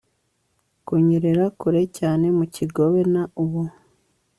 Kunyerera kure cyane mu kigobe na ubu